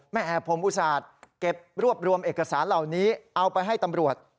แม่แอบผมอุตส่าห์เก็บรวบรวมเอกสารเหล่านี้เอาไปให้ตำรวจ